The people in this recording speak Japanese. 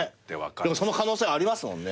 でもその可能性ありますもんね。